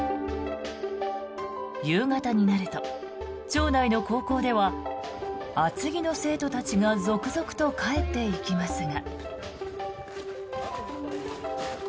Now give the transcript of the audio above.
夕方になると町内の高校では厚着の生徒たちが続々と帰っていきますが。